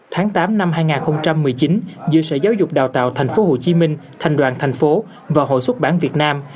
tháng tám năm hai nghìn một mươi chín giữa sở giáo dục đào tạo tp hcm thành đoàn thành phố và hội xuất bản việt nam